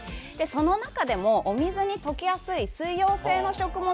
その中でもお水に溶けやすい水溶性の食物